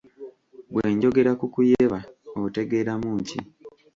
Bwe njogera ku kuyeba otegeeramu ki?